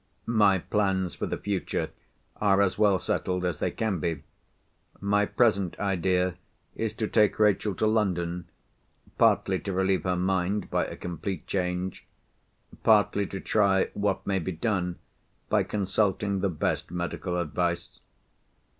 "My plans for the future are as well settled as they can be. My present idea is to take Rachel to London—partly to relieve her mind by a complete change, partly to try what may be done by consulting the best medical advice.